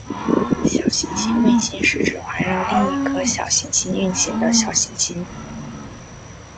小行星卫星是指环绕另一颗小行星运行的小行星。